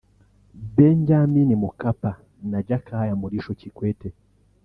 Benjamini Mkapa na Jakaya Mrisho Kikwete